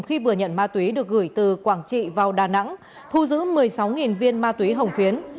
khi vừa nhận ma túy được gửi từ quảng trị vào đà nẵng thu giữ một mươi sáu viên ma túy hồng phiến